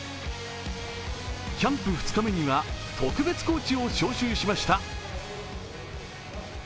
キャンプ２日目には特別コーチを招集しました。